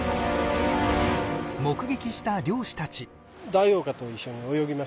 ダイオウイカと一緒に泳ぎました。